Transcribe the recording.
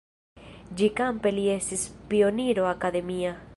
Ĉi-kampe li estis pioniro akademia.